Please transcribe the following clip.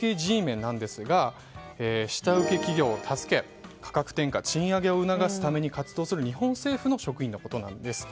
ンなんですが下請け企業を助け価格転嫁、賃上げを促すために活動する日本政府の職員のことなんです。